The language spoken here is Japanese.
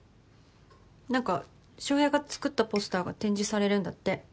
何か翔平が作ったポスターが展示されるんだって。